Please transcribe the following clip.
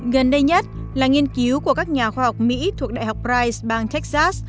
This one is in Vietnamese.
gần đây nhất là nghiên cứu của các nhà khoa học mỹ thuộc đại học prise bang texas